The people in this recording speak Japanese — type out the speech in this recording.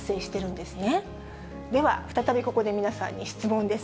では、再びここで皆さんに質問です。